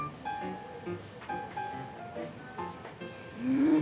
うん！